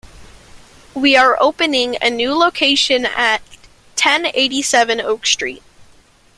We are opening the a new location at ten eighty-seven Oak Street.